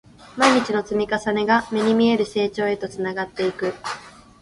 毎日の積み重ねが、目に見える成長へとつながっていく